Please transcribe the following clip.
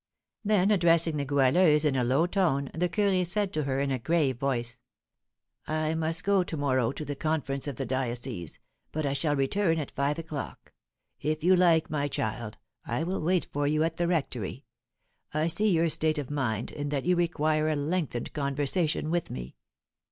Then addressing the Goualeuse in a low tone, the curé said to her, in a grave voice: "I must go to morrow to the conference of the diocese, but I shall return at five o'clock. If you like, my child, I will wait for you at the rectory. I see your state of mind, and that you require a lengthened conversation with me."